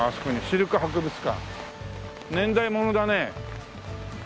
「シルク博物館」年代物だね。